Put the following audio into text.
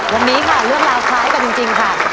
วันนี้ค่ะเรื่องราวคล้ายกันจริงค่ะ